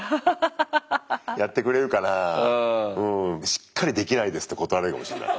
しっかり「できないです」って断られるかもしれない。